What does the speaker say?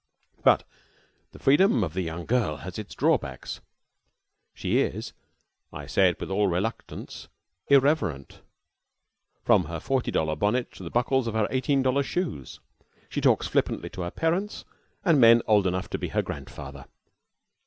But the freedom of the young girl has its drawbacks. She is I say it with all reluctance irreverent, from her forty dollar bonnet to the buckles in her eighteen dollar shoes. She talks flippantly to her parents and men old enough to be her grandfather.